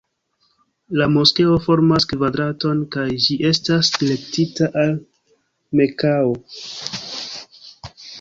La moskeo formas kvadraton kaj ĝi estas direktita al Mekao.